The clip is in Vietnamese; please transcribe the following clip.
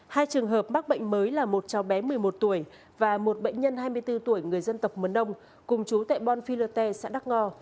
hai trường hợp mắc bệnh mới là một cháu bé một mươi một tuổi và một bệnh nhân hai mươi bốn tuổi người dân tộc mấn đông cùng chú tại bon filote xã đắk ngo